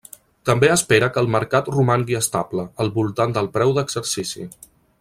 També espera que el mercat romangui estable, al voltant del preu d'exercici.